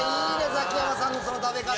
ザキヤマさんのその食べ方。